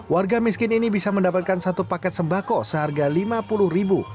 warga miskin ini bisa mendapatkan satu paket sembako seharga rp lima puluh